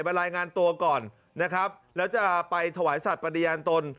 รายงานตัวก่อนนะครับแล้วจะไปถวายสัตว์ปฏิญาณตน